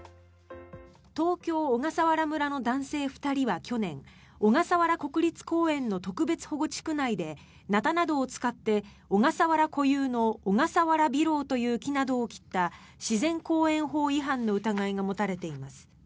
東京・小笠原村の男性２人は去年小笠原国立公園の特別保護地区内でナタなどを使って小笠原固有のオガサワラビロウという木などを切った自然公園法違反の疑いが持たれています。